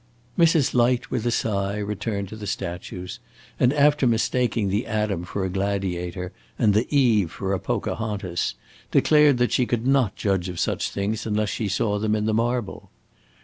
Mrs. Light, with a sigh, returned to the statues, and after mistaking the Adam for a gladiator, and the Eve for a Pocahontas, declared that she could not judge of such things unless she saw them in the marble.